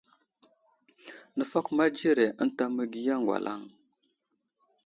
Nəfakoma dzire ənta məgiya ŋgalaŋ.